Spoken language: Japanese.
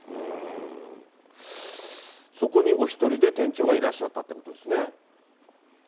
そこにお１人で店長がいらっしゃったということですね。